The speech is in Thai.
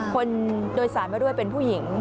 คนโดยสารมาด้วยเป็นผู้หญิง